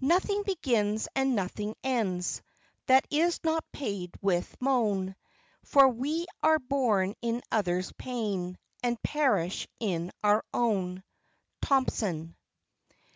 "Nothing begins and nothing ends That is not paid with moan, For we are born in other's pain And perish in our own." THOMPSON.